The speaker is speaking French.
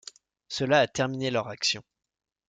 Cela a terminé leur action.